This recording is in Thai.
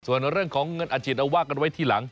ส่วนเรื่องของเงินอาชีพเอาว่ากันไว้ทีหลัง